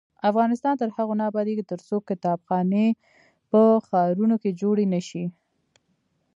افغانستان تر هغو نه ابادیږي، ترڅو کتابخانې په ښارونو کې جوړې نشي.